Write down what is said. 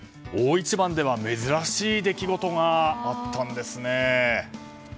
大一番では珍しい出来事があったんです。